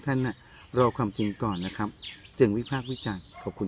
ท่านอ่ะรอความจริงก่อนนะครับจึงวิพากษ์วิจารณ์ขอบคุณ